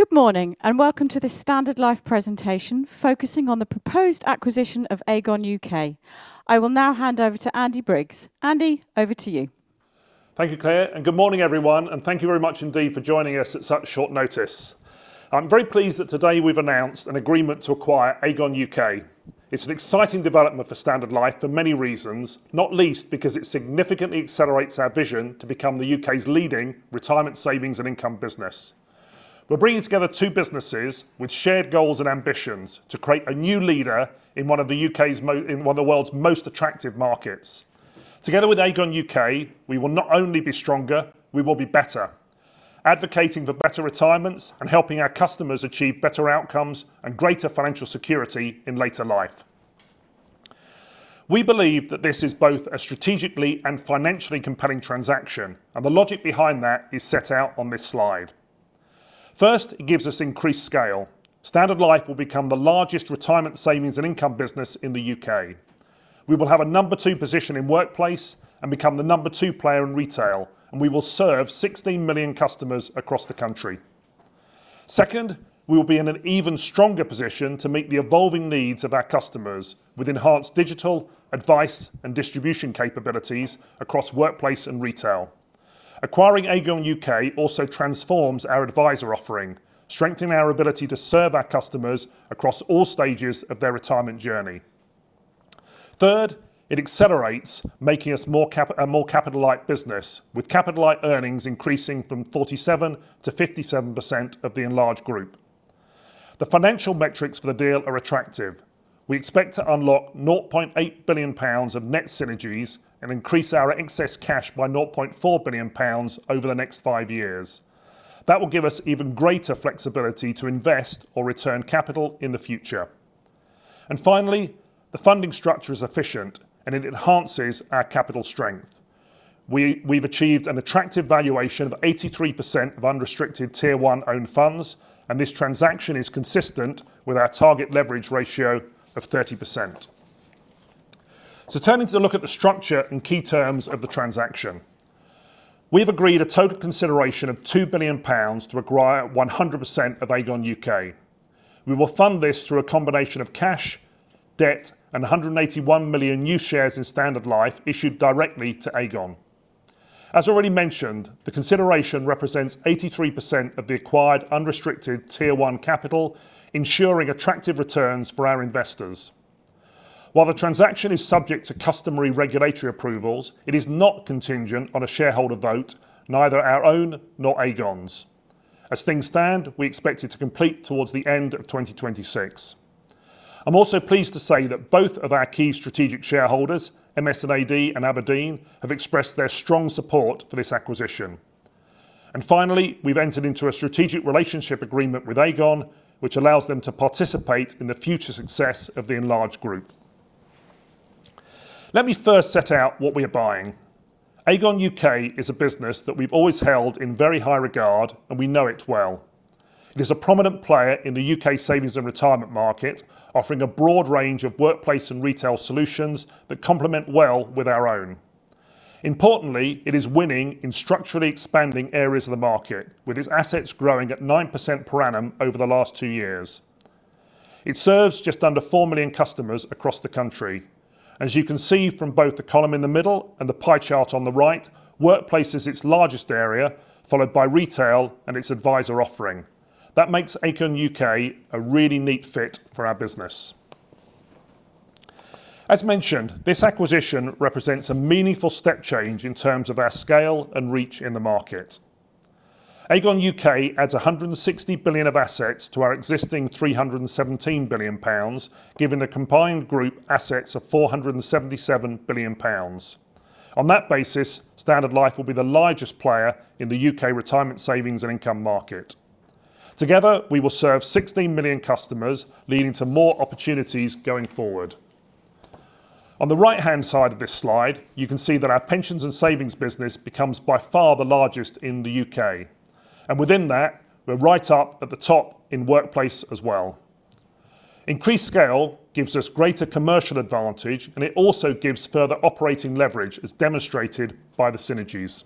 Good morning, and welcome to this Standard Life presentation focusing on the proposed acquisition of Aegon UK. I will now hand over to Andy Briggs. Andy, over to you. Thank you, Claire. Good morning, everyone, and thank you very much indeed for joining us at such short notice. I'm very pleased that today we've announced an agreement to acquire Aegon UK. It's an exciting development for Standard Life for many reasons, not least because it significantly accelerates our vision to become the U.K.'s leading retirement savings and income business. We're bringing together two businesses with shared goals and ambitions to create a new leader in one of the world's most attractive markets. Together with Aegon UK, we will not only be stronger, we will be better, advocating for better retirements and helping our customers achieve better outcomes and greater financial security in later life. We believe that this is both a strategically and financially compelling transaction, and the logic behind that is set out on this slide. First, it gives us increased scale. Standard Life will become the largest retirement savings and income business in the U.K. We will have a number two position in Workplace and become the number two player in Retail, and we will serve 16 million customers across the country. Second, we will be in an even stronger position to meet the evolving needs of our customers with enhanced digital advice and distribution capabilities across Workplace and Retail. Acquiring Aegon UK also transforms our advisor offering, strengthening our ability to serve our customers across all stages of their retirement journey. Third, it accelerates, making us a more capital-light business, with capital-light earnings increasing from 47%-57% of the enlarged group. The financial metrics for the deal are attractive. We expect to unlock 0.8 billion pounds of net synergies and increase our excess cash by 0.4 billion pounds over the next five years. That will give us even greater flexibility to invest or return capital in the future. Finally, the funding structure is efficient, and it enhances our capital strength. We've achieved an attractive valuation of 83% of unrestricted Tier 1 own funds, and this transaction is consistent with our target leverage ratio of 30%. Turning to look at the structure and key terms of the transaction, we've agreed a total consideration of 2 billion pounds to acquire 100% of Aegon UK. We will fund this through a combination of cash, debt, and 181 million new shares in Standard Life issued directly to Aegon. As already mentioned, the consideration represents 83% of the acquired unrestricted Tier 1 capital, ensuring attractive returns for our investors. While the transaction is subject to customary regulatory approvals, it is not contingent on a shareholder vote, neither our own nor Aegon's. As things stand, we expect it to complete towards the end of 2026. I'm also pleased to say that both of our key strategic shareholders, MS&AD and Aberdeen, have expressed their strong support for this acquisition. Finally, we've entered into a strategic relationship agreement with Aegon, which allows them to participate in the future success of the enlarged group. Let me first set out what we are buying. Aegon UK is a business that we've always held in very high regard, and we know it well. It is a prominent player in the U.K. savings and retirement market, offering a broad range of Workplace and Retail solutions that complement well with our own. Importantly, it is winning in structurally expanding areas of the market, with its assets growing at 9% per annum over the last two years. It serves just under 4 million customers across the country. As you can see from both the column in the middle and the pie chart on the right, Workplace is its largest area, followed by Retail and its advisor offering. That makes Aegon UK a really neat fit for our business. As mentioned, this acquisition represents a meaningful step change in terms of our scale and reach in the market. Aegon UK adds 160 billion of assets to our existing 317 billion pounds, giving the combined group assets of 477 billion pounds. On that basis, Standard Life will be the largest player in the U.K. retirement savings and income market. Together, we will serve 16 million customers, leading to more opportunities going forward. On the right-hand side of this slide, you can see that our Pensions and Savings business becomes by far the largest in the U.K. Within that, we're right up at the top in Workplace as well. Increased scale gives us greater commercial advantage, and it also gives further operating leverage, as demonstrated by the synergies.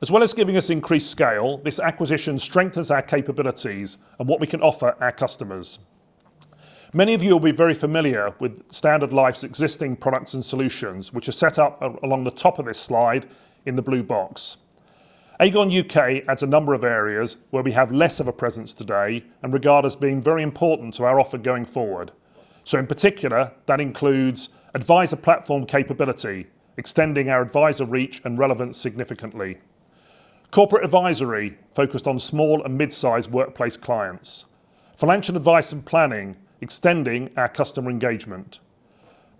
As well as giving us increased scale, this acquisition strengthens our capabilities and what we can offer our customers. Many of you will be very familiar with Standard Life's existing products and solutions, which are set up along the top of this slide in the blue box. Aegon UK adds a number of areas where we have less of a presence today and regard as being very important to our offer going forward. In particular, that includes advisor platform capability, extending our advisor reach and relevance significantly, corporate advisory, focused on small and mid-size Workplace clients, financial advice and planning, extending our customer engagement,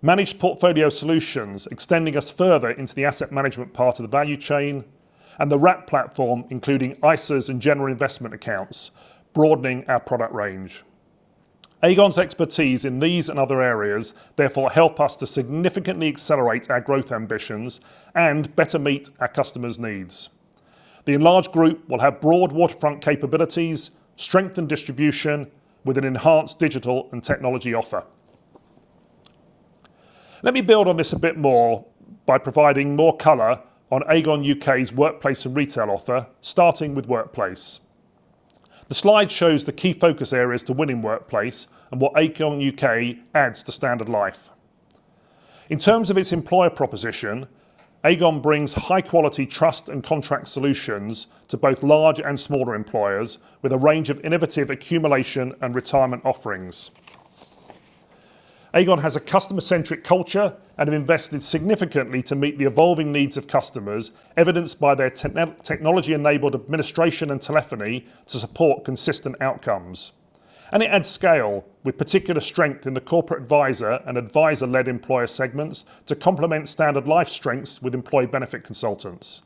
and managed portfolio solutions, extending us further into the asset management part of the value chain. The wrap platform, including ISAs and general investment accounts, broadening our product range. Aegon's expertise in these and other areas therefore help us to significantly accelerate our growth ambitions and better meet our customers' needs. The enlarged group will have broad waterfront capabilities, strengthened distribution, with an enhanced digital and technology offer. Let me build on this a bit more by providing more color on Aegon UK's Workplace and Retail offer, starting with Workplace. The slide shows the key focus areas to win in Workplace and what Aegon UK adds to Standard Life. In terms of its employer proposition, Aegon brings high-quality trust and contract solutions to both large and smaller employers with a range of innovative accumulation and retirement offerings. Aegon has a customer-centric culture and have invested significantly to meet the evolving needs of customers, evidenced by their technology-enabled administration and telephony to support consistent outcomes. It adds scale with particular strength in the corporate advisor and advisor-led employer segments to complement Standard Life's strengths with employee benefit consultants.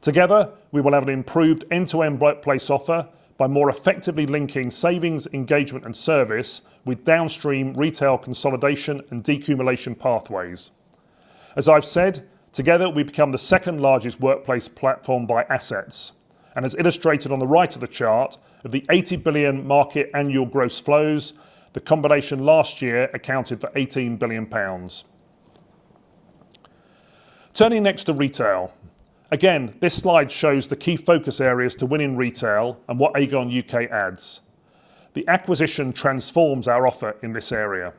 Together, we will have an improved end-to-end Workplace offer by more effectively linking savings, engagement, and service with downstream Retail consolidation and decumulation pathways. As I've said, together, we become the second-largest Workplace platform by assets. As illustrated on the right of the chart, of the 80 billion market annual gross flows, the combination last year accounted for 18 billion pounds. Turning next to Retail. Again, this slide shows the key focus areas to win in Retail and what Aegon UK adds. The acquisition transforms our offer in this area.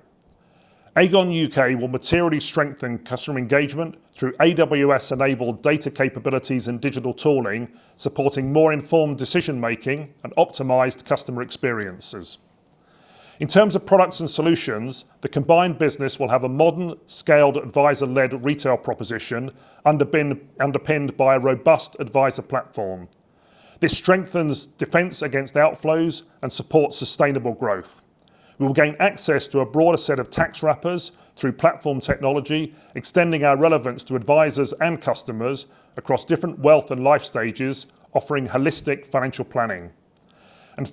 Aegon UK will materially strengthen customer engagement through AWS-enabled data capabilities and digital tooling, supporting more informed decision-making and optimized customer experiences. In terms of products and solutions, the combined business will have a modern, scaled, advisor-led retail proposition underpinned by a robust advisor platform. This strengthens defense against outflows and supports sustainable growth. We will gain access to a broader set of tax wrappers through platform technology, extending our relevance to advisors and customers across different wealth and life stages, offering holistic financial planning.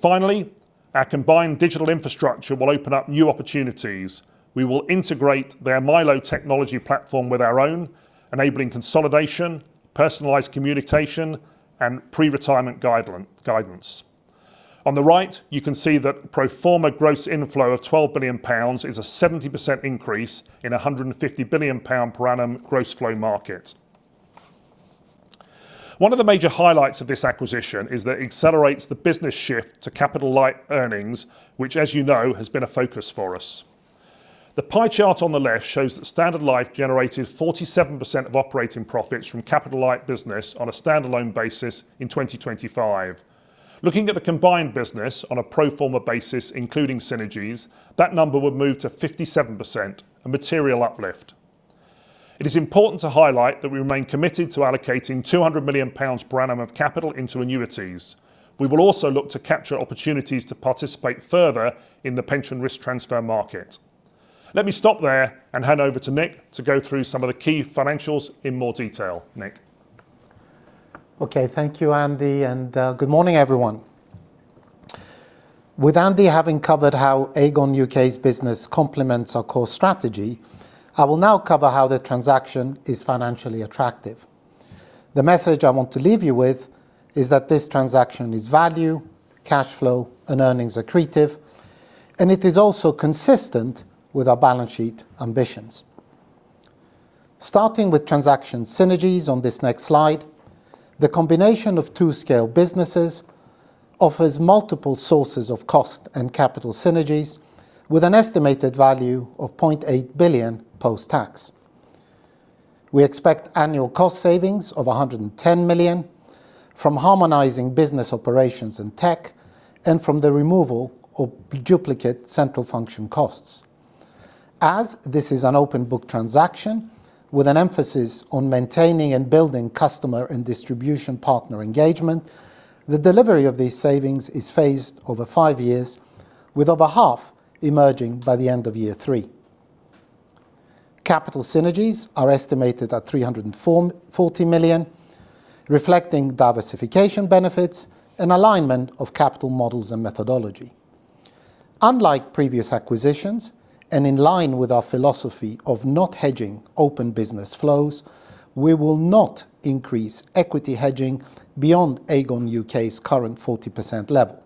Finally, our combined digital infrastructure will open up new opportunities. We will integrate their Mylo technology platform with our own, enabling consolidation, personalized communication, and pre-retirement guidance. On the right, you can see that pro forma gross inflow of 12 billion pounds is a 70% increase in 150 billion pound per annum gross flow market. One of the major highlights of this acquisition is that it accelerates the business shift to capital-light earnings, which, as you know, has been a focus for us. The pie chart on the left shows that Standard Life generated 47% of operating profits from capital-light business on a standalone basis in 2025. Looking at the combined business on a pro forma basis, including synergies, that number would move to 57%, a material uplift. It is important to highlight that we remain committed to allocating 200 million pounds per annum of capital into annuities. We will also look to capture opportunities to participate further in the pension risk transfer market. Let me stop there and hand over to Nic to go through some of the key financials in more detail. Nic? Okay. Thank you, Andy, and good morning, everyone. With Andy having covered how Aegon UK's business complements our core strategy, I will now cover how the transaction is financially attractive. The message I want to leave you with is that this transaction is value, cash flow, and earnings accretive, and it is also consistent with our balance sheet ambitions. Starting with transaction synergies on this next slide. The combination of two scale businesses offers multiple sources of cost and capital synergies with an estimated value of 0.8 billion post-tax. We expect annual cost savings of 110 million from harmonizing business operations and tech, and from the removal of duplicate central function costs. As this is an open book transaction with an emphasis on maintaining and building customer and distribution partner engagement, the delivery of these savings is phased over five years, with over half emerging by the end of year three. Capital synergies are estimated at 340 million, reflecting diversification benefits and alignment of capital models and methodology. Unlike previous acquisitions, and in line with our philosophy of not hedging open business flows, we will not increase equity hedging beyond Aegon UK's current 40% level.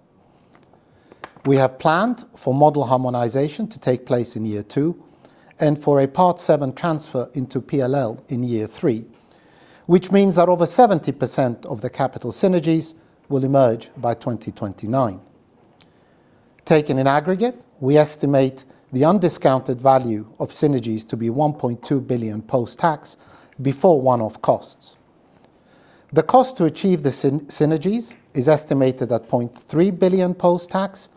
We have planned for model harmonization to take place in year two and for a Part VII transfer into PLL in year three, which means that over 70% of the capital synergies will emerge by 2029. Taken in aggregate, we estimate the undiscounted value of synergies to be 1.2 billion post-tax before one-off costs. The cost to achieve the synergies is estimated at 0.3 billion post-tax,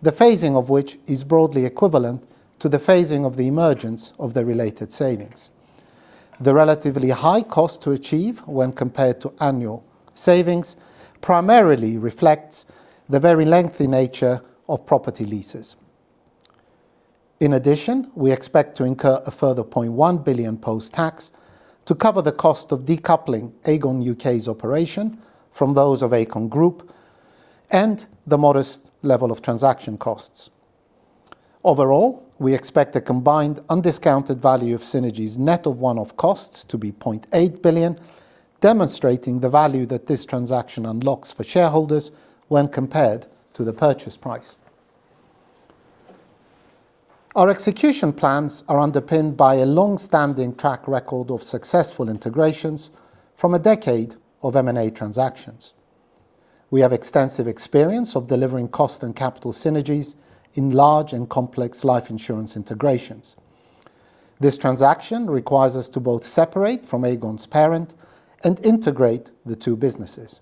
the phasing of which is broadly equivalent to the phasing of the emergence of the related savings. The relatively high cost to achieve when compared to annual savings primarily reflects the very lengthy nature of property leases. In addition, we expect to incur a further 0.1 billion post-tax to cover the cost of decoupling Aegon UK's operation from those of Aegon Group and the modest level of transaction costs. Overall, we expect a combined undiscounted value of synergies net of one-off costs to be 0.8 billion, demonstrating the value that this transaction unlocks for shareholders when compared to the purchase price. Our execution plans are underpinned by a long-standing track record of successful integrations from a decade of M&A transactions. We have extensive experience of delivering cost and capital synergies in large and complex life insurance integrations. This transaction requires us to both separate from Aegon's parent and integrate the two businesses.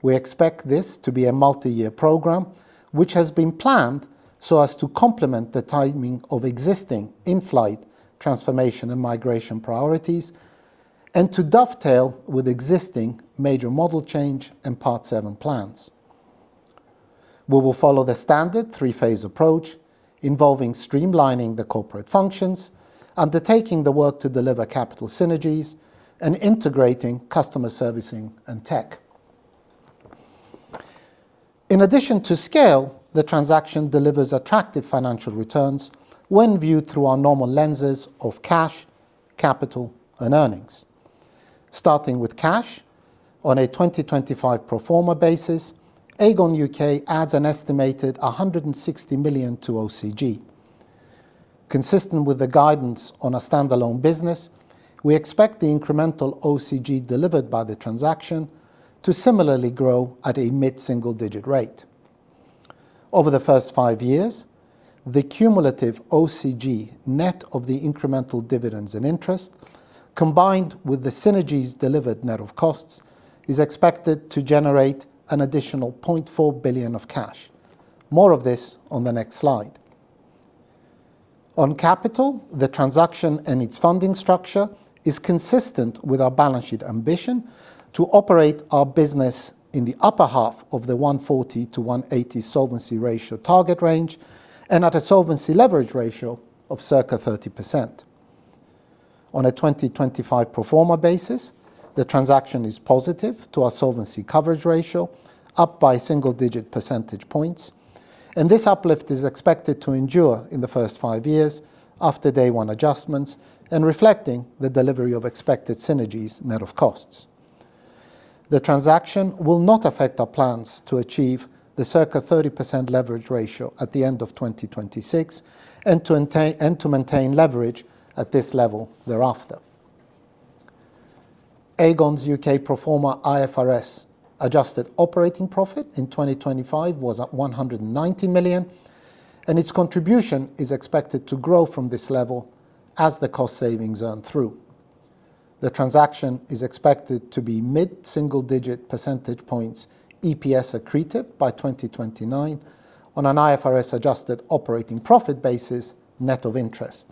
We expect this to be a multi-year program, which has been planned so as to complement the timing of existing in-flight transformation and migration priorities and to dovetail with existing major model change and Part VII plans. We will follow the standard three-phase approach, involving streamlining the corporate functions, undertaking the work to deliver capital synergies, and integrating customer servicing and tech. In addition to scale, the transaction delivers attractive financial returns when viewed through our normal lenses of cash, capital, and earnings. Starting with cash, on a 2025 pro forma basis, Aegon UK adds an estimated 160 million to OCG. Consistent with the guidance on a standalone business, we expect the incremental OCG delivered by the transaction to similarly grow at a mid-single-digit rate. Over the first five years, the cumulative OCG, net of the incremental dividends and interest, combined with the synergies delivered net of costs, is expected to generate an additional 0.4 billion of cash. More of this on the next slide. On capital, the transaction and its funding structure is consistent with our balance sheet ambition to operate our business in the upper half of the 140%-180% solvency ratio target range and at a solvency leverage ratio of circa 30%. On a 2025 pro forma basis, the transaction is positive to our solvency coverage ratio, up by single-digit percentage points, and this uplift is expected to endure in the first five years after day one adjustments and reflecting the delivery of expected synergies net of costs. The transaction will not affect our plans to achieve the circa 30% leverage ratio at the end of 2026 and to maintain leverage at this level thereafter. Aegon's U.K. pro forma IFRS adjusted operating profit in 2025 was at 190 million, and its contribution is expected to grow from this level as the cost savings earn through. The transaction is expected to be mid-single digit percentage points EPS accretive by 2029 on an IFRS adjusted operating profit basis, net of interest.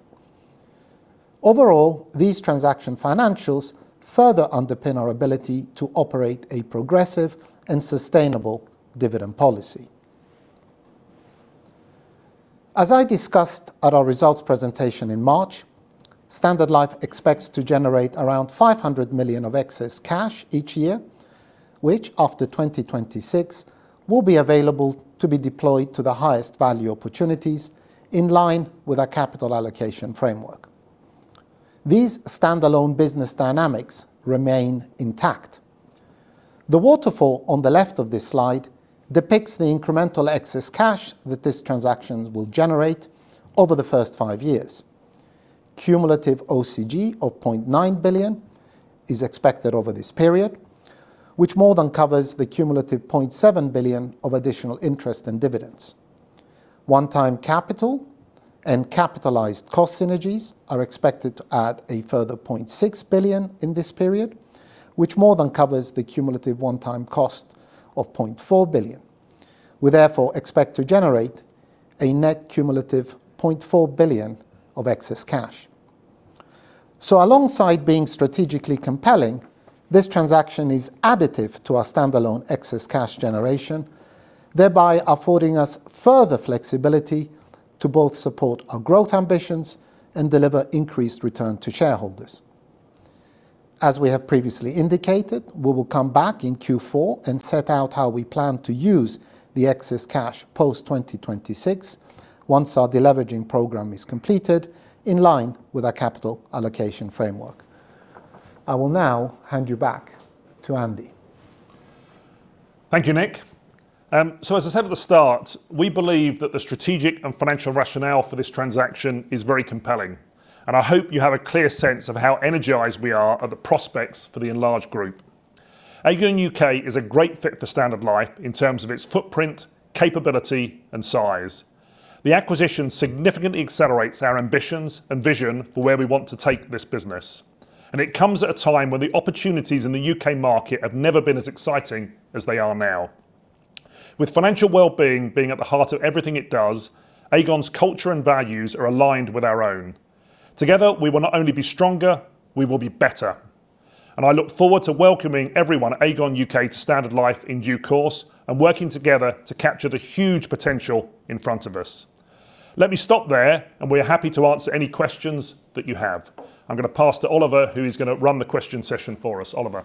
Overall, these transaction financials further underpin our ability to operate a progressive and sustainable dividend policy. As I discussed at our results presentation in March, Standard Life expects to generate around 500 million of excess cash each year, which, after 2026, will be available to be deployed to the highest value opportunities in line with our capital allocation framework. These standalone business dynamics remain intact. The waterfall on the left of this slide depicts the incremental excess cash that this transaction will generate over the first five years. Cumulative OCG of 0.9 billion is expected over this period, which more than covers the cumulative 0.7 billion of additional interest and dividends. One-time capital and capitalized cost synergies are expected to add a further 0.6 billion in this period, which more than covers the cumulative one-time cost of 0.4 billion. We therefore expect to generate a net cumulative 0.4 billion of excess cash. Alongside being strategically compelling, this transaction is additive to our standalone excess cash generation, thereby affording us further flexibility to both support our growth ambitions and deliver increased return to shareholders. As we have previously indicated, we will come back in Q4 and set out how we plan to use the excess cash post-2026 once our deleveraging program is completed, in line with our capital allocation framework. I will now hand back to Andy. Thank you, Nic. As I said at the start, we believe that the strategic and financial rationale for this transaction is very compelling. I hope you have a clear sense of how energized we are at the prospects for the enlarged group. Aegon UK is a great fit for Standard Life in terms of its footprint, capability, and size. The acquisition significantly accelerates our ambitions and vision for where we want to take this business. It comes at a time when the opportunities in the UK market have never been as exciting as they are now. With financial well-being being at the heart of everything it does, Aegon's culture and values are aligned with our own. Together, we will not only be stronger, we will be better. I look forward to welcoming everyone at Aegon UK to Standard Life in due course and working together to capture the huge potential in front of us. Let me stop there, and we are happy to answer any questions that you have. I'm going to pass to Oliver, who is going to run the question session for us. Oliver.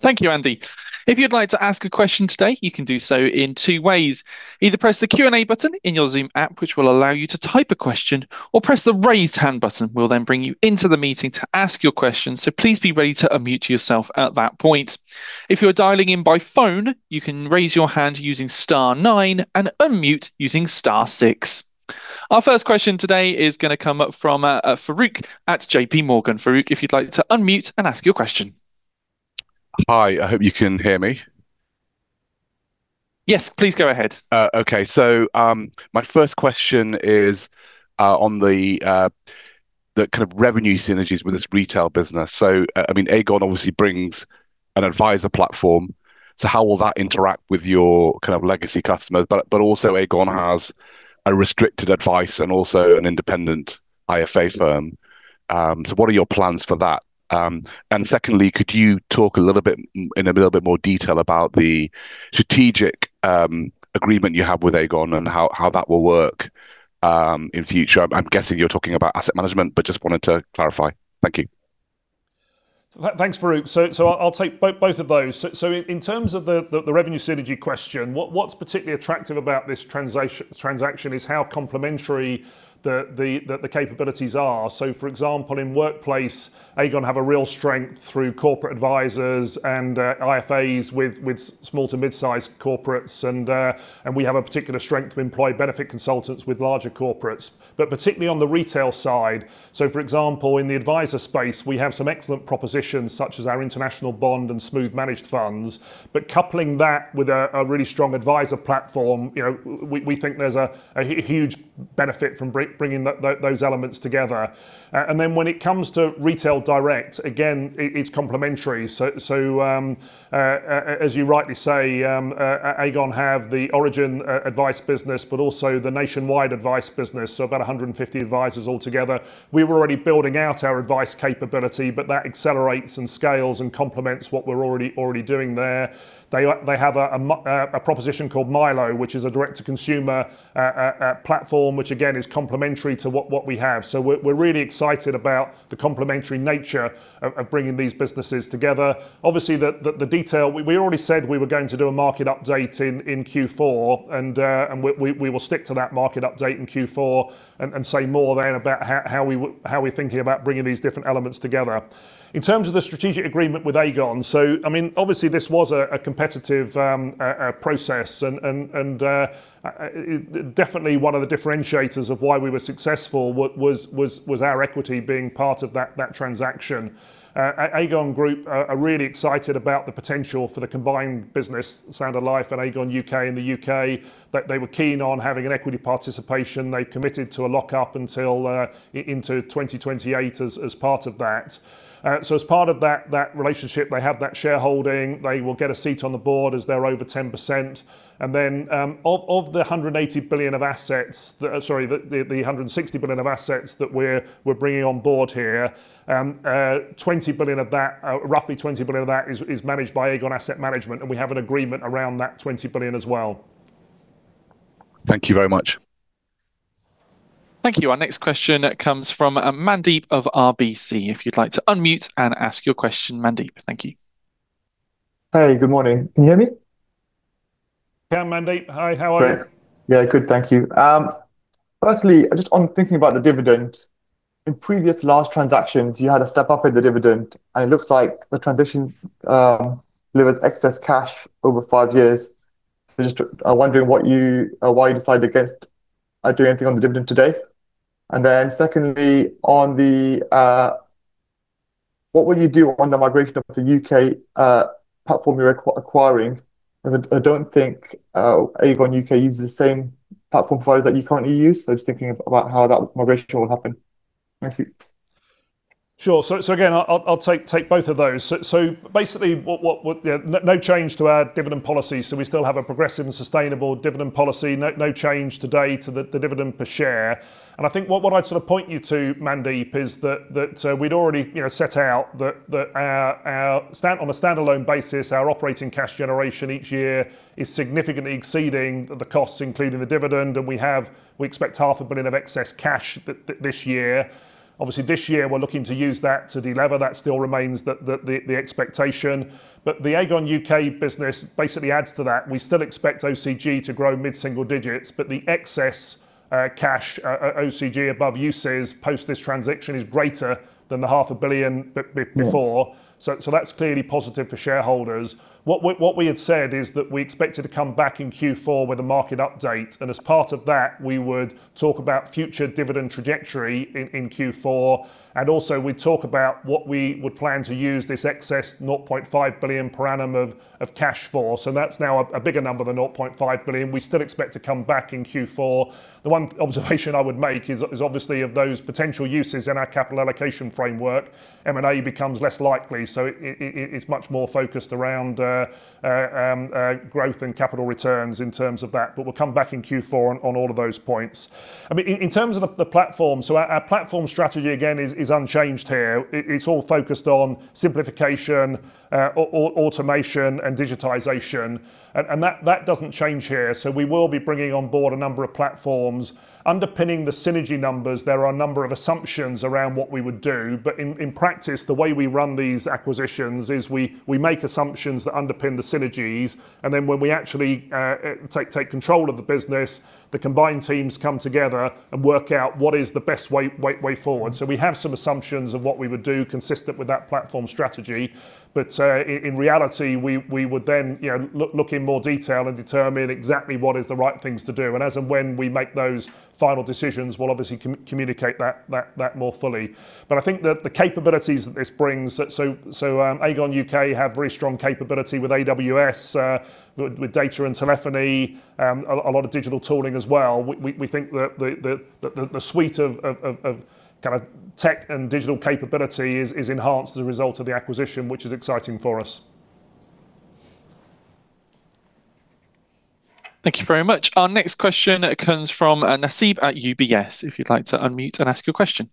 Thank you, Andy. If you'd like to ask a question today, you can do so in two ways. Either press the Q&A button in your Zoom app, which will allow you to type a question, or press the raise hand button. We'll then bring you into the meeting to ask your question, so please be ready to unmute yourself at that point. If you are dialing in by phone, you can raise your hand using star nine and unmute using star six. Our first question today is going to come from Farooq at J.P. Morgan. Farooq, if you'd like to unmute and ask your question. Hi, I hope you can hear me. Yes, please go ahead. Okay. My first question is on the kind of revenue synergies with this Retail business. Aegon obviously brings an advisor platform. How will that interact with your legacy customers? Also Aegon has a restricted advice and also an independent IFA firm. What are your plans for that? Secondly, could you talk in a little bit more detail about the strategic agreement you have with Aegon and how that will work in future? I'm guessing you're talking about asset management, but just wanted to clarify. Thank you. Thanks, Farooq. I'll take both of those. In terms of the revenue synergy question, what's particularly attractive about this transaction is how complementary the capabilities are. For example, in Workplace, Aegon have a real strength through corporate advisors and IFAs with small to mid-size corporates. We have a particular strength of employed benefit consultants with larger corporates. Particularly on the Retail side, so for example, in the advisor space, we have some excellent propositions such as our International Bond and smoothed managed funds. Coupling that with a really strong advisor platform, we think there's a huge benefit from bringing those elements together. When it comes to Retail direct, again, it's complementary. As you rightly say, Aegon have the Origen advice business, but also the Nationwide advice business, so about 150 advisors altogether. We were already building out our advice capability, but that accelerates and scales and complements what we're already doing there. They have a proposition called Mylo, which is a direct-to-consumer platform, which again, is complementary to what we have. We're really excited about the complementary nature of bringing these businesses together. Obviously, the detail, we already said we were going to do a market update in Q4, and we will stick to that market update in Q4 and say more then about how we're thinking about bringing these different elements together. In terms of the strategic agreement with Aegon, so obviously this was a competitive process and definitely one of the differentiators of why we were successful was our equity being part of that transaction. Aegon Group are really excited about the potential for the combined business, Standard Life and Aegon UK in the U.K. They were keen on having an equity participation. They committed to a lock-up until into 2028 as part of that. As part of that relationship, they have that shareholding. They will get a seat on the board as they're over 10%. Of the 160 billion of assets that we're bringing on board here, roughly 20 billion of that is managed by Aegon Asset Management, and we have an agreement around that 20 billion as well. Thank you very much. Thank you. Our next question comes from Mandeep of RBC. If you'd like to unmute and ask your question, Mandeep. Thank you. Hey, good morning. Can you hear me? Yeah, Mandeep. Hi, how are you? Great. Yeah, good, thank you. Firstly, just on thinking about the dividend. In previous large transactions, you had a step up in the dividend, and it looks like the transition delivers excess cash over five years. Just wondering why you decided against doing anything on the dividend today. Secondly, what will you do on the migration of the U.K. platform you're acquiring? I don't think Aegon UK uses the same platform provider that you currently use, so just thinking about how that migration will happen. Thank you. Sure. Again, I'll take both of those. Basically, no change to our dividend policy. We still have a progressive and sustainable dividend policy. No change today to the dividend per share. I think what I'd sort of point you to, Mandeep, is that we'd already set out that on a standalone basis, our operating cash generation each year is significantly exceeding the costs, including the dividend. We expect 500 million of excess cash this year. Obviously this year, we're looking to use that to delever. That still remains the expectation. The Aegon UK business basically adds to that. We still expect OCG to grow mid-single digits, but the excess cash, OCG above uses post this transaction is greater than the 500 million before. That's clearly positive for shareholders. What we had said is that we expected to come back in Q4 with a market update, and as part of that, we would talk about future dividend trajectory in Q4. Also we'd talk about what we would plan to use this excess 0.5 billion per annum of cash for. That's now a bigger number than 0.5 billion. We still expect to come back in Q4. The one observation I would make is obviously of those potential uses in our capital allocation framework, M&A becomes less likely. It's much more focused around growth and capital returns in terms of that. We'll come back in Q4 on all of those points. In terms of the platform, our platform strategy again is unchanged here. It's all focused on simplification, automation, and digitization. That doesn't change here. We will be bringing on board a number of platforms. Underpinning the synergy numbers, there are a number of assumptions around what we would do. In practice, the way we run these acquisitions is we make assumptions that underpin the synergies, and then when we actually take control of the business, the combined teams come together and work out what is the best way forward. We have some assumptions of what we would do consistent with that platform strategy. In reality, we would then look in more detail and determine exactly what is the right things to do. As of when we make those final decisions, we'll obviously communicate that more fully. I think that the capabilities that this brings, so Aegon UK have very strong capability with AWS, with data and telephony, a lot of digital tooling as well. We think that the suite of tech and digital capability is enhanced as a result of the acquisition, which is exciting for us. Thank you very much. Our next question comes from Nasib at UBS. If you'd like to unmute and ask your question.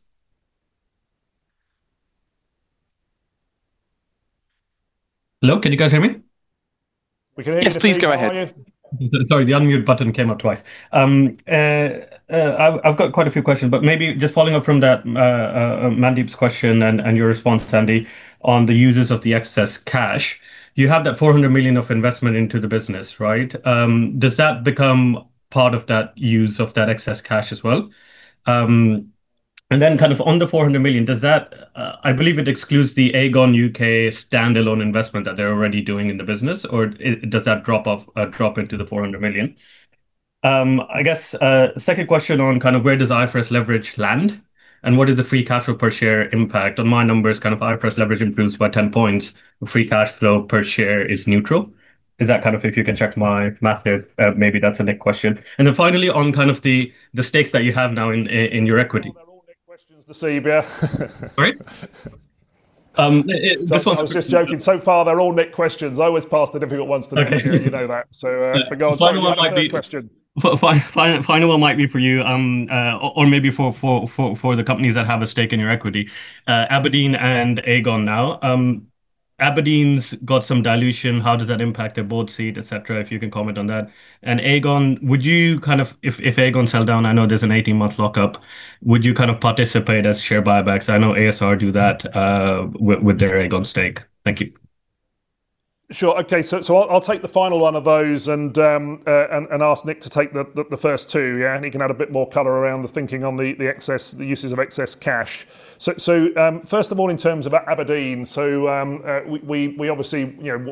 Hello, can you guys hear me? We can hear you, Nasib. How are you? Yes, please go ahead. Sorry, the unmute button came up twice. I've got quite a few questions, but maybe just following up from Mandeep's question and your response, Andy, on the uses of the excess cash. You have that 400 million of investment into the business, right? Does that become part of that use of that excess cash as well? On the 400 million, I believe it excludes the Aegon UK standalone investment that they're already doing in the business. Does that drop into the 400 million? I guess a second question on where does IFRS leverage land, and what is the free cash flow per share impact? On my numbers, IFRS leverage improves by 10 points. Free cash flow per share is neutral. If you can check my math there, maybe that's a Nic question. Finally, on the stakes that you have now in your equity. No, they're all Nic questions, Nasib. Yeah. Sorry? This one? I was just joking. So far they're all Nic questions. I always pass the difficult ones to Nic. You know that. Go on. The final one might be. Third question. Final one might be for you or maybe for the companies that have a stake in your equity, Aberdeen and Aegon now. Aberdeen's got some dilution. How does that impact their board seat, et cetera? If you can comment on that. Aegon, if Aegon sell down, I know there's an 18-month lockup. Would you participate as share buybacks? I know ASR do that with their Aegon stake. Thank you. Sure. Okay. I'll take the final one of those and ask Nic to take the first two, yeah, and he can add a bit more color around the thinking on the uses of excess cash. First of all, in terms of Aberdeen, we obviously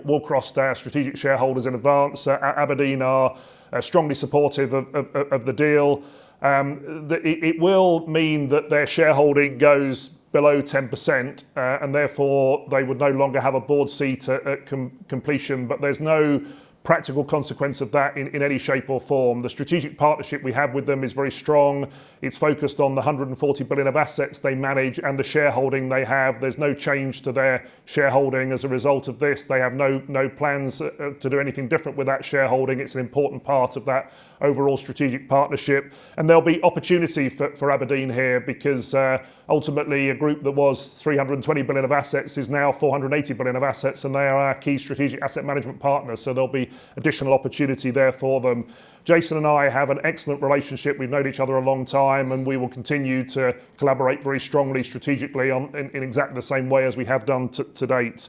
wall-crossed our strategic shareholder in advance. Aberdeen are strongly supportive of the deal. It will mean that their shareholding goes below 10%, and therefore they would no longer have a board seat at completion, but there's no practical consequence of that in any shape or form. The strategic partnership we have with them is very strong. It's focused on the 140 billion of assets they manage and the shareholding they have. There's no change to their shareholding as a result of this. They have no plans to do anything different with that shareholding. It's an important part of that overall strategic partnership. There'll be opportunity for Aberdeen here because ultimately a group that was 320 billion of assets is now 480 billion of assets. They are our key strategic asset management partners. There'll be additional opportunity there for them. Jason and I have an excellent relationship. We've known each other a long time, and we will continue to collaborate very strongly strategically in exactly the same way as we have done to date.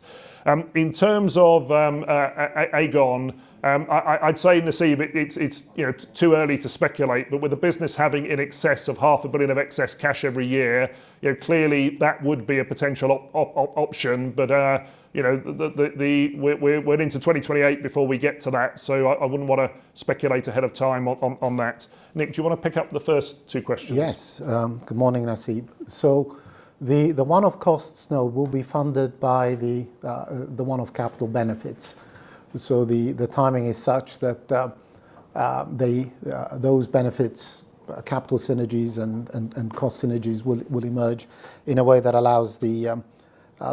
In terms of Aegon, I'd say, Nasib, it's too early to speculate, but with the business having in excess of 500 million of excess cash every year, clearly that would be a potential option. We're into 2028 before we get to that, so I wouldn't want to speculate ahead of time on that. Nic, do you want to pick up the first two questions? Yes. Good morning, Nasib. The one-off costs now will be funded by the one-off capital benefits. The timing is such that those benefits, capital synergies, and cost synergies will emerge in a way that allows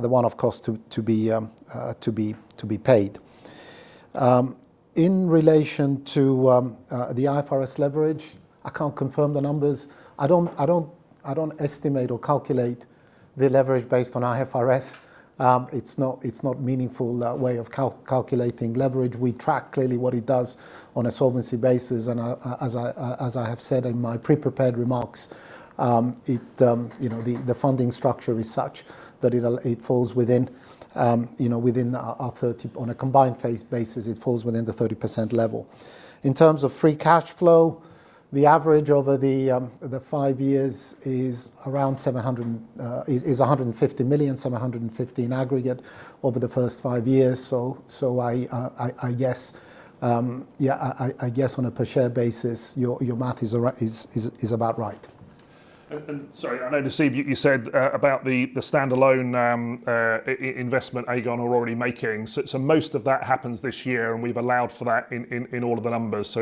the one-off cost to be paid. In relation to the IFRS leverage, I can't confirm the numbers. I don't estimate or calculate the leverage based on IFRS. It's not meaningful way of calculating leverage. We track clearly what it does on a solvency basis, and as I have said in my prepared remarks, the funding structure is such that on a combined phase basis, it falls within the 30% level. In terms of free cash flow, the average over the five years is 150 million, so 115 aggregate over the first five years. I guess, yeah, on a per share basis, your math is about right. Sorry, I know, Nasib, you said about the standalone investment Aegon are already making. Most of that happens this year, and we've allowed for that in all of the numbers.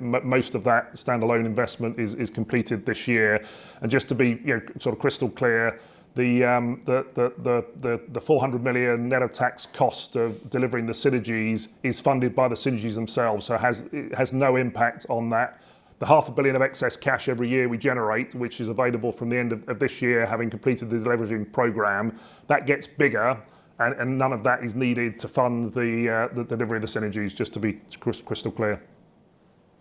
Most of that standalone investment is completed this year. Just to be crystal clear, the 400 million net of tax cost of delivering the synergies is funded by the synergies themselves, so it has no impact on that. The 500 million of excess cash every year we generate, which is available from the end of this year, having completed the deleveraging program, that gets bigger, and none of that is needed to fund the delivery of the synergies, just to be crystal clear.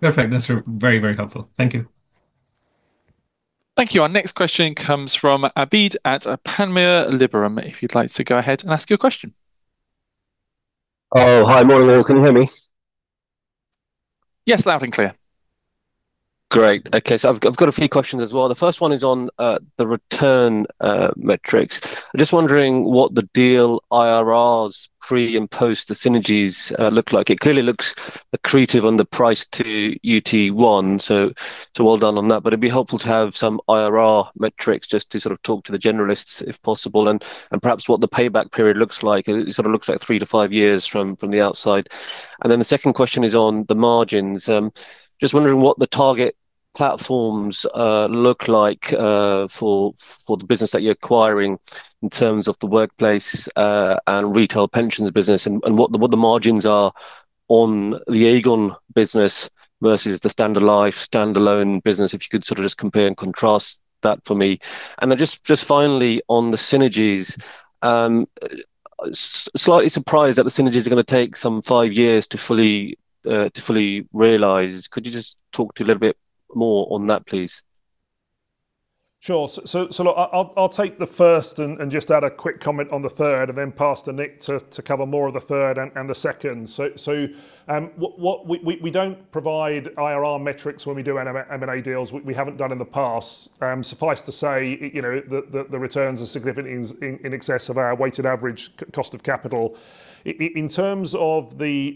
Perfect. That's very, very helpful. Thank you. Thank you. Our next question comes from Abid at Panmure Liberum, if you'd like to go ahead and ask your question. Oh, hi. Morning, all. Can you hear me? Yes, loud and clear. Great. Okay. I've got a few questions as well. The first one is on the return metrics. I'm just wondering what the deal IRRs pre and post the synergies look like. It clearly looks accretive on the P/UT1, so well done on that. It'd be helpful to have some IRR metrics just to sort of talk to the generalists if possible and perhaps what the payback period looks like. It sort of looks like three to five years from the outside. The second question is on the margins. Just wondering what the target. What do the platforms look like for the business that you're acquiring in terms of the Workplace and Retail pensions business, and what the margins are on the Aegon business versus the Standard Life standalone business? If you could just compare and contrast that for me. Just finally on the synergies, I am slightly surprised that the synergies are going to take some five years to fully realize. Could you just talk to a little bit more on that, please? Sure. Look, I'll take the first and just add a quick comment on the third, and then pass to Nic to cover more of the third and the second. We don't provide IRR metrics when we do M&A deals. We haven't done in the past. Suffice to say, the returns are significant in excess of our weighted average cost of capital. In terms of the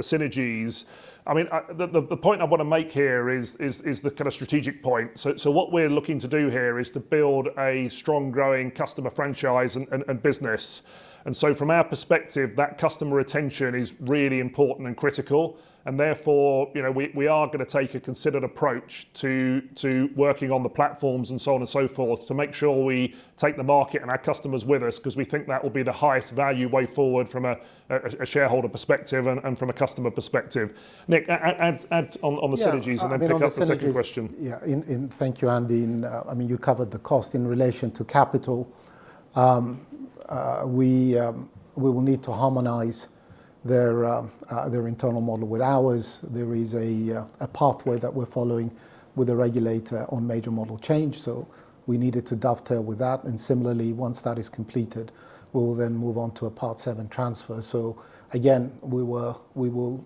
synergies, the point I want to make here is the kind of strategic point. What we're looking to do here is to build a strong, growing customer franchise and business. From our perspective, that customer retention is really important and critical. Therefore, we are going to take a considered approach to working on the platforms and so on and so forth to make sure we take the market and our customers with us, because we think that will be the highest value way forward from a shareholder perspective and from a customer perspective. Nic, add on the synergies and then pick up the second question. Yeah. Thank you, Andy, and you covered the cost in relation to capital. We will need to harmonize their internal model with ours. There is a pathway that we're following with the regulator on major model change, so we needed to dovetail with that. Similarly, once that is completed, we will then move on to a Part VII transfer. Again, we will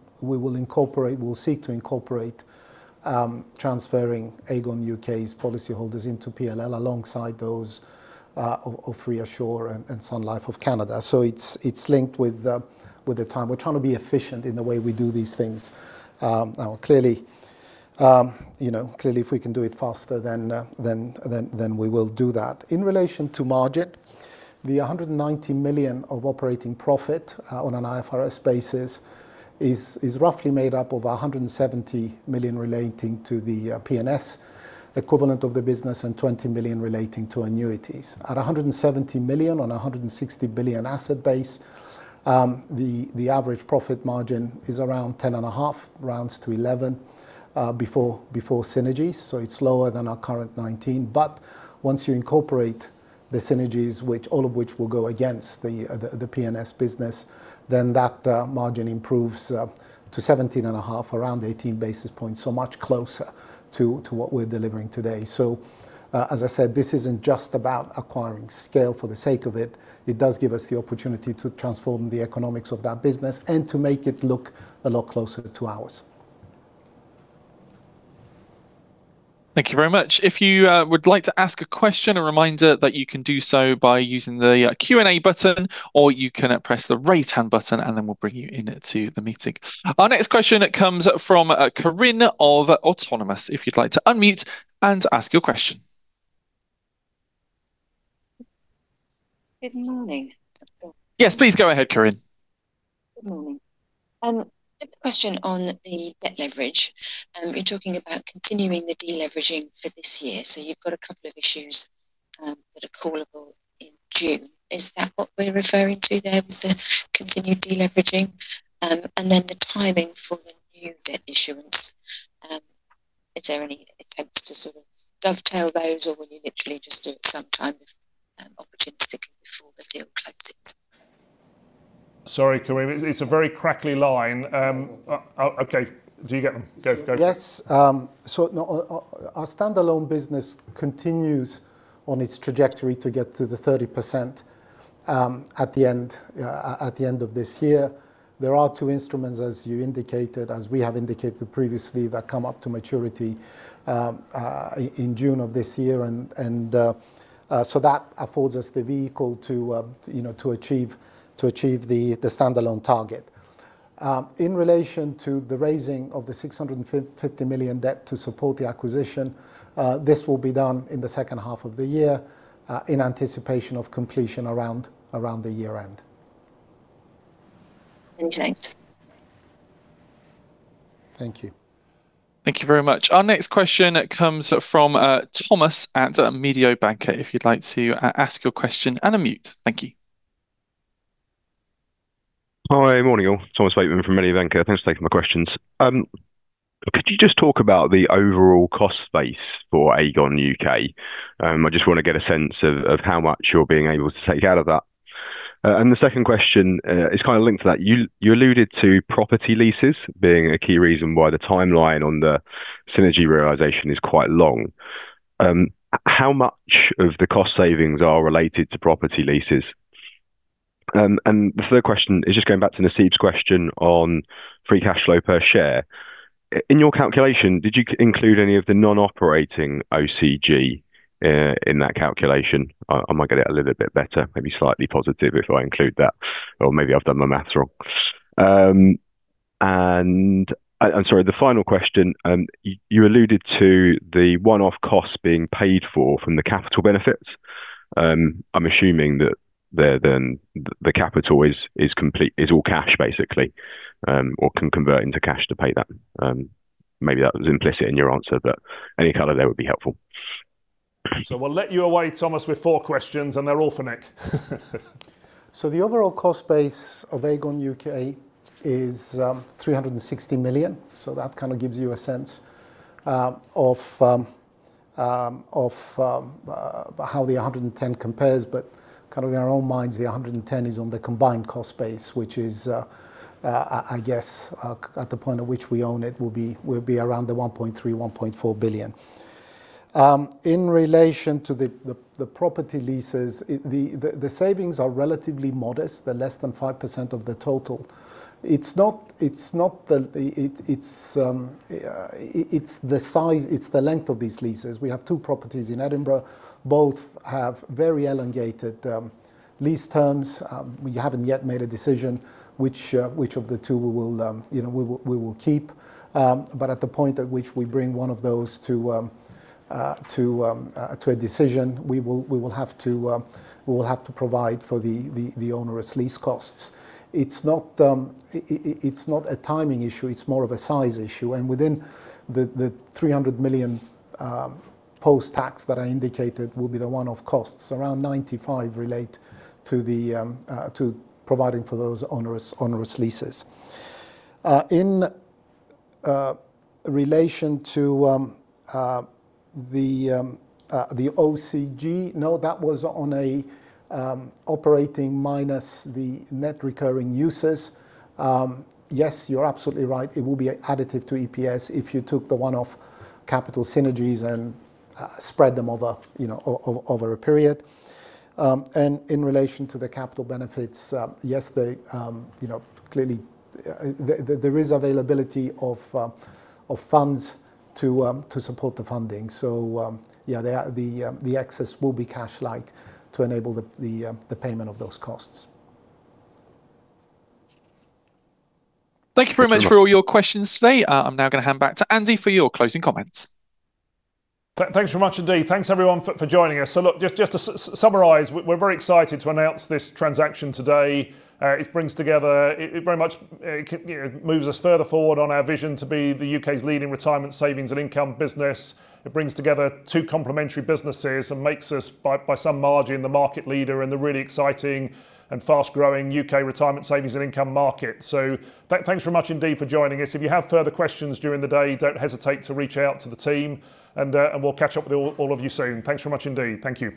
seek to incorporate transferring Aegon UK's policyholders into PLL alongside those of ReAssure and Sun Life of Canada. It's linked with the time. We're trying to be efficient in the way we do these things. Now clearly, if we can do it faster, then we will do that. In relation to margin, the 190 million of operating profit on an IFRS basis is roughly made up of 170 million relating to the P&S equivalent of the business and 20 million relating to annuities. At 170 million on 160 billion asset base, the average profit margin is around 10.5 rounds to 11, before synergies. It's lower than our current 19 basis points. Once you incorporate the synergies, all of which will go against the P&S business, then that margin improves to 17.5, around 18 basis points, much closer to what we're delivering today. As I said, this isn't just about acquiring scale for the sake of it. It does give us the opportunity to transform the economics of that business and to make it look a lot closer to ours. Thank you very much. If you would like to ask a question, a reminder that you can do so by using the Q&A button or you can press the raise hand button and then we'll bring you into the meeting. Our next question comes from Corinne of Autonomous. If you'd like to unmute and ask your question. Good morning. Yes, please go ahead, Corinne. Good morning. A question on the debt leverage. You're talking about continuing the deleveraging for this year, so you've got a couple of issues that are callable in June. Is that what we're referring to there with the continued deleveraging? The timing for the new debt issuance, is there any attempts to sort of dovetail those or will you literally just do it sometime opportunistically before the deal closes? Sorry, Corinne, it's a very crackly line. Okay. Do you get them? Go for it. Yes. Our standalone business continues on its trajectory to get to the 30% at the end of this year. There are two instruments, as you indicated, as we have indicated previously, that come up to maturity in June of this year. That affords us the vehicle to achieve the standalone target. In relation to the raising of the 650 million debt to support the acquisition, this will be done in the second half of the year in anticipation of completion around the year-end. Thanks. Thank you. Thank you very much. Our next question comes from Thomas at Mediobanca. If you'd like to ask your question, unmute. Thank you. Hi. Morning, all. Thomas Bateman from Mediobanca. Thanks for taking my questions. Could you just talk about the overall cost base for Aegon UK? I just want to get a sense of how much you're being able to take out of that. The second question is kind of linked to that. You alluded to property leases being a key reason why the timeline on the synergy realization is quite long. How much of the cost savings are related to property leases? The third question is just going back to Nasib's question on free cash flow per share. In your calculation, did you include any of the non-operating OCG in that calculation? I might get it a little bit better, maybe slightly positive if I include that or maybe I've done my math wrong. I'm sorry, the final question, you alluded to the one-off cost being paid for from the capital benefits. I'm assuming that the capital is all cash, basically, or can convert into cash to pay that. Maybe that was implicit in your answer, but any color there would be helpful. We'll let you away, Thomas, with four questions, and they're all for Nic. The overall cost base of Aegon UK is 360 million. That kind of gives you a sense of how the 110 compares. Kind of in our own minds, the 110 is on the combined cost base, which is, I guess, at the point at which we own it will be around the 1.3 billion-1.4 billion. In relation to the property leases, the savings are relatively modest. They're less than 5% of the total. It's the length of these leases. We have two properties in Edinburgh. Both have very elongated lease terms. We haven't yet made a decision which of the two we will keep. At the point at which we bring one of those to a decision, we will have to provide for the onerous lease costs. It's not a timing issue. It's more of a size issue. Within the 300 million post-tax that I indicated will be the one-off costs, around 95 relate to providing for those onerous leases. In relation to the OCG, no, that was on an operating minus the net recurring uses. Yes, you're absolutely right. It will be additive to EPS if you took the one-off capital synergies and spread them over a period. In relation to the capital benefits, yes, clearly there is availability of funds to support the funding. Yeah, the access will be cash-like to enable the payment of those costs. Thank you very much for all your questions today. I'm now going to hand back to Andy for your closing comments. Thanks very much indeed. Thanks, everyone, for joining us. Look, just to summarize, we're very excited to announce this transaction today. It very much moves us further forward on our vision to be the U.K.'s leading retirement savings and income business. It brings together two complementary businesses and makes us, by some margin, the market leader in the really exciting and fast-growing U.K. retirement savings and income market. Thanks very much indeed for joining us. If you have further questions during the day, don't hesitate to reach out to the team, and we'll catch up with all of you soon. Thanks very much indeed. Thank you.